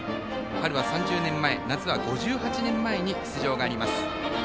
春は３０年前夏は５８年前に出場があります。